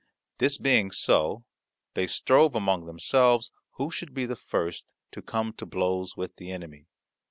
This being so, they strove among themselves who should be the first to come to blows with the enemy.